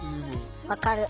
分かる。